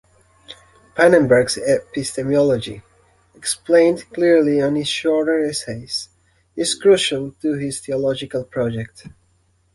Pannenberg's epistemology, explained clearly in his shorter essays, is crucial to his theological project.